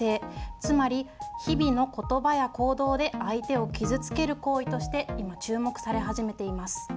つまり日々の言葉や行動で相手を傷つける行為として今注目され始めています。